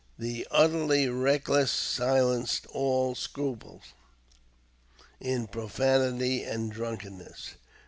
The utterly reckless silenced all scruples in profanity and drunkenness.